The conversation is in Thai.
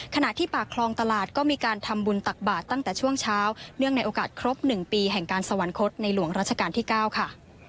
ขณะที่ปากคลองตลาดก็มีการทำบุญตักบาทตั้งแต่ช่วงเช้าเนื่องในโอกาสครบ๑ปีแห่งการสวรรคตในหลวงราชการที่๙ค่ะ